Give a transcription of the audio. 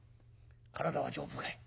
体は丈夫かい？」。